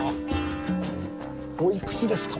おいくつですか？